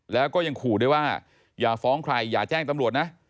แล้วก็ยังขู่ด้วยว่าอย่าฟ้องใครอย่าแจ้งตำรวจนะ